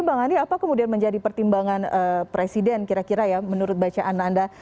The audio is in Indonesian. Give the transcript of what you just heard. bang andi apa kemudian menjadi pertimbangan presiden kira kira ya menurut bacaan anda